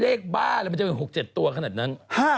บ้าแล้วมันจะเป็น๖๗ตัวขนาดนั้น